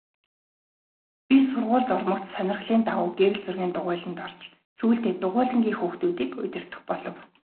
Би сургуульд ормогц сонирхлын дагуу гэрэл зургийн дугуйланд орж сүүлдээ дугуйлангийн хүүхдүүдийг удирдах болов.